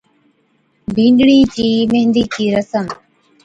بِينڏڙِي چِي ميھندِي چِي رسم